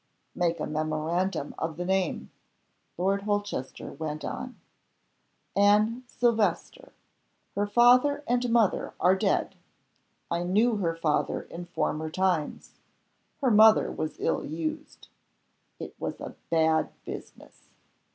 "Make a memorandum of the name," Lord Holchester went on. "Anne Silvester. Her father and mother are dead. I knew her father in former times. Her mother was ill used. It was a bad business.